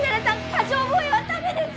過剰防衛はダメです！